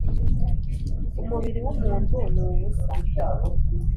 Umubiri w’umuntu ni ubusa,